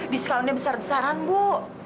diskalonya besar besaran bu